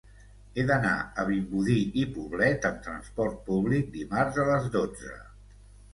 He d'anar a Vimbodí i Poblet amb trasport públic dimarts a les dotze.